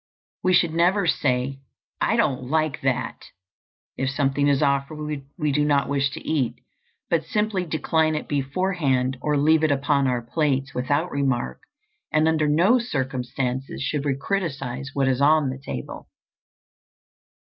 We should never say, "I don't like that," if something is offered we do not wish to eat, but simply decline it beforehand or leave it upon our plates without remark; and under no circumstances should we criticise what is on the table.